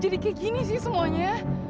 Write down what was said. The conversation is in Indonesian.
ini ini sih semuanya